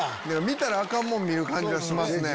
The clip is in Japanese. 見たらアカンもん見る感じはしますね。